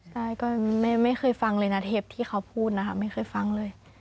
ใช่ก็ไม่เคยฟังเลยนะเทปที่เขาพูดนะคะไม่เคยฟังเลย